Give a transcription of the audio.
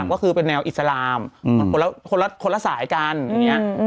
ก็คือเป็นแนวอิสลามคนละสายกันอย่างนี้